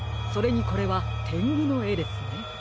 それにこれはてんぐのえですね。